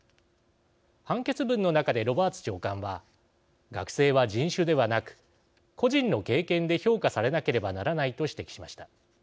判決文の中でロバーツ長官は学生は人種ではなく個人の経験で評価されなければならないと指摘しました。